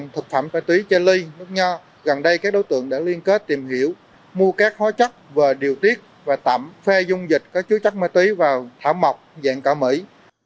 thực phẩm ma túy chê ly nước nho gần đây các đối tượng đã liên kết tìm hiểu mua các hóa chất và điều tiết và tẩm phê dung dịch có chứa chất ma túy vào thảo mọc dạng cỏ mỹ